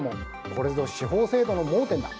これぞ司法制度の盲点だ。